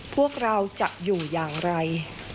พวกเราจะอยู่อย่างไร